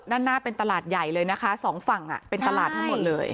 ด้านหน้าเป็นตลาดใหญ่เลยนะคะสองฝั่งเป็นตลาดทั้งหมดเลย